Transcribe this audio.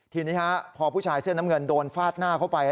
ทีนี้พอผู้ชายเสื้อน้ำเงินโดนฟาดหน้าเข้าไป